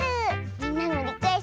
みんなのリクエストをだ